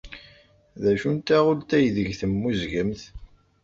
D acu n taɣult aydeg temmuzzgemt?